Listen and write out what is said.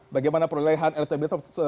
bagaimana perolahan elektabilitas